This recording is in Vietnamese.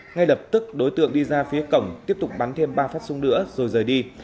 ngay lập tức đối tượng đi ra phía cổng tiếp tục bắn thêm ba phát súng nữa rồi rời đi